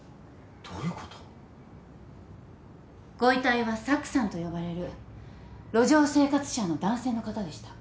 ご遺体はサクさんと呼ばれる路上生活者の男性の方でした。